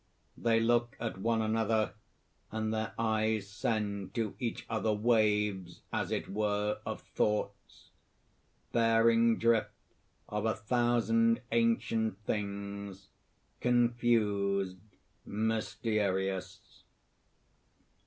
They look at one another; and their eyes send to each other waves, as it were, of thoughts, bearing drift of a thousand ancient things, confused, mysterious.